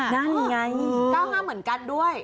๐๙๕นั่นไงโอ้โฮโอ้โฮโอ้โฮ๙๕เหมือนกันด้วย